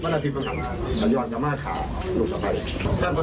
การประวัติภัณฑ์การร้องของมัน